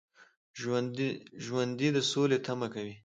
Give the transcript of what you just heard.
ژوندي د سولې تمه کوي